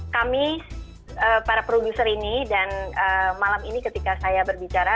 kami para produser ini dan malam ini ketika saya berbicara